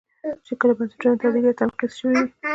کله چې بستونه تعدیل یا تنقیض شوي وي.